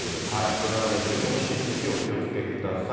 それから熱中症も引き続きお気をつけください。